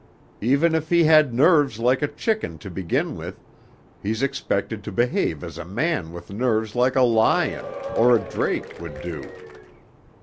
Even if he had nerves like a chicken to begin with he's expected to behave as a man with nerves like a lion or a Drake would do....'